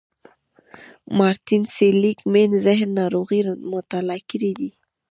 مارټين سېليګ مېن ذهني ناروغۍ مطالعه کړې دي.